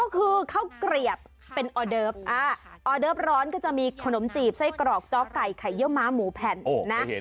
ก็คือข้าวเกลียบเป็นออเดิฟออเดิฟร้อนก็จะมีขนมจีบไส้กรอกจ๊อกไก่ไข่เยี่ยวม้าหมูแผ่นนะ